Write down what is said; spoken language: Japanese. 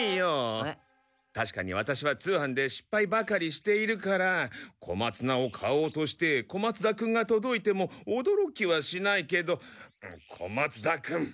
確かにワタシは通販で失敗ばかりしているから小松菜を買おうとして小松田君が届いてもおどろきはしないけど小松田君！